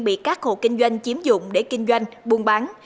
bị các hộ kinh doanh chiếm dụng để kinh doanh buôn bán